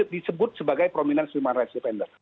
disebut sebagai prominent human right defender